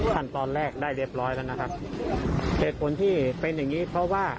ขั้นตอนแรกได้เรียบร้อยแล้วนะครับเหตุผลที่เป็นอย่างงี้เพราะว่า